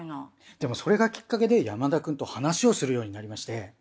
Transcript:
でもそれがきっかけで山田くんと話をするようになりまして。